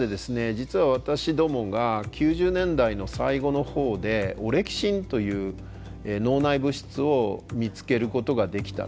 実は私どもが９０年代の最後のほうでオレキシンという脳内物質を見つけることができたんですね。